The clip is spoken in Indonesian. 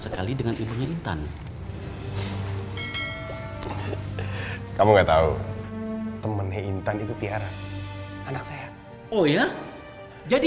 sekali dengan ibunya intan kamu nggak tahu temennya intan itu tiara anak saya oh ya jadi